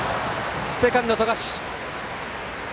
セカンド、冨樫！